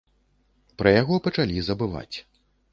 Пра яго пачалі забываць.